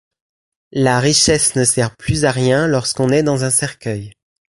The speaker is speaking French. La richesse ne sert plus à rien lorsqu'on est dans un cercueil.